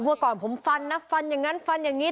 เมื่อก่อนผมฟันนะฟันอย่างนั้นฟันอย่างนี้